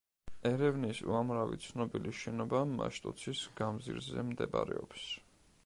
ერევნის უამრავი ცნობილი შენობა მაშტოცის გამზირზე მდებარეობს.